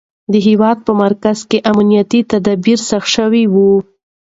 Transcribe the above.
د هېواد په مرکز کې امنیتي تدابیر سخت شوي وو.